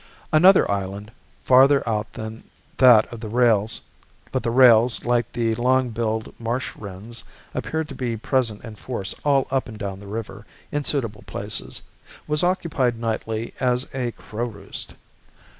Another island, farther out than that of the rails (but the rails, like the long billed marsh wrens, appeared to be present in force all up and down the river, in suitable places), was occupied nightly as a crow roost.